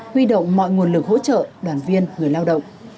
huy động mọi nguồn lực hỗ trợ đoàn viên người lao động